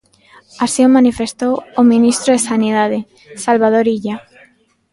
Así o manifestou o ministro de Sanidade, Salvador Illa.